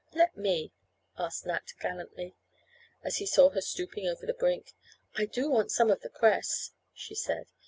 "Let me," asked Nat, gallantly, as he saw her stooping over the brink. "I do want some of the cress," she said.